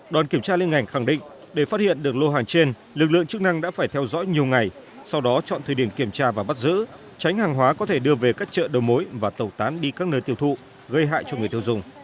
đoàn kiểm tra liên ngành khẳng định để phát hiện được lô hàng trên lực lượng chức năng đã phải theo dõi nhiều ngày sau đó chọn thời điểm kiểm tra và bắt giữ tránh hàng hóa có thể đưa về các chợ đầu mối và tẩu tán đi các nơi tiêu thụ gây hại cho người tiêu dùng